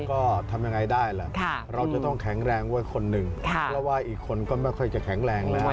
ก็ทำยังไงได้แหละเราจะต้องแข็งแรงด้วยคนหนึ่งเพราะว่าอีกคนก็ไม่ค่อยจะแข็งแรงแล้ว